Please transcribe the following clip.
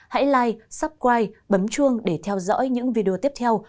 hãy like subscribe bấm chuông để theo dõi những video tiếp theo